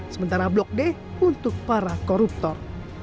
sementara blok d untuk para koruptor